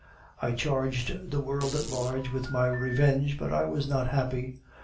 "I charged the world at large with my revenge, but I was not happy.